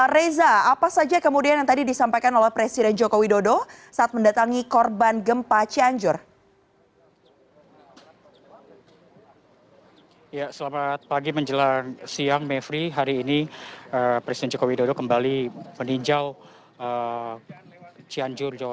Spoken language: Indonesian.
reza apa saja kemudian yang tadi disampaikan oleh presiden joko widodo saat mendatangi korban gempa cianjur